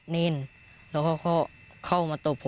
นี่ค่ะ